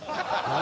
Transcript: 何？